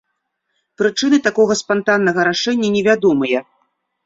Прычыны такога спантаннага рашэння невядомыя.